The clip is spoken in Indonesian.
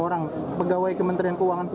enam orang pegawai kementerian keuangan itu ya